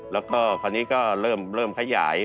แล้วก็คราวนี้ก็เริ่มขยาย